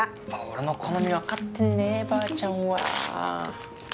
俺の好み分かってんねばあちゃんは。